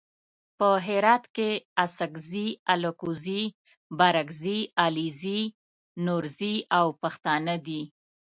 په هرات کې اڅګزي الکوزي بارګزي علیزي نورزي او پښتانه دي.